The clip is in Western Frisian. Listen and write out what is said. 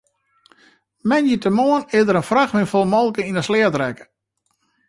Moandeitemoarn is in frachtwein fol molke yn 'e sleat rekke.